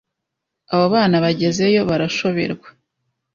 Abo bana Bagezeyo barashoberwa